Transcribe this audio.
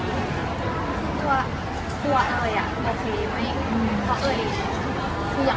แล้วรู้สึกยังไงกับที่ที่แฟนคนนี้ชื่อเรา